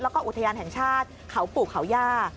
แล้วก็อุทยานแห่งชาติเขาปู่เขาย่า